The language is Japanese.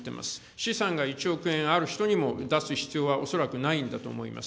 資産が１億円ある人にも、出す必要は恐らくないんだろうと思います。